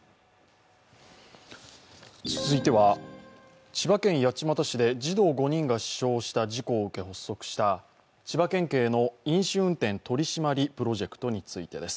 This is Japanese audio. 続いては、千葉県八街市で児童５人が死傷した事故を受け発足した千葉県警の飲酒運転取締りプロジェクトについてです。